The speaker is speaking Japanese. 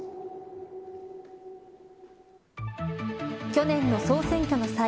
去年の総選挙の際